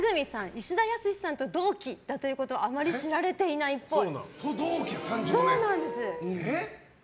石田靖さんと同期だということをあまり知られていないっぽい。